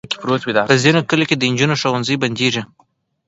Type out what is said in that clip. په ځینو کلیو کې د انجونو ښوونځي بندېږي.